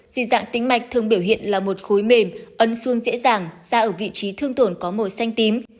dị dạng tính mạch thường biểu hiện là một khối mềm ấn xuông dễ dàng da ở vị trí thương tổn có màu xanh tím